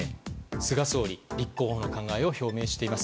菅総理、立候補の考えを表明しています。